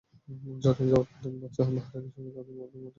Jordan যাওয়ার পথে বাহরাইনের সঙ্গে তাদেরই মাঠে একটা ম্যাচ খেলা হতে পারে।